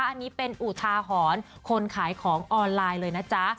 อันนี้เป็นอุทาหรณ์คนขายของออนไลน์เลยนะจ๊ะ